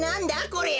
これ。